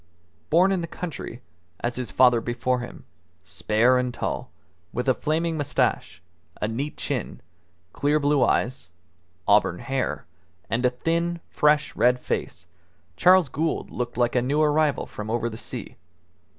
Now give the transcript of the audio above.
Born in the country, as his father before him, spare and tall, with a flaming moustache, a neat chin, clear blue eyes, auburn hair, and a thin, fresh, red face, Charles Gould looked like a new arrival from over the sea.